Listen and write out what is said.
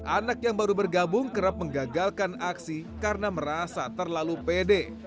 anak yang baru bergabung kerap menggagalkan aksi karena merasa terlalu pede